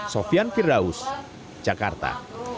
sofian firaus jakarta